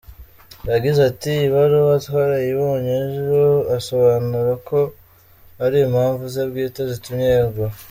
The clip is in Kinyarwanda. Yagize ati “Ibaruwa twarayibonye ejo, asobanura ko ari impamvu ze bwite zitumye yegura.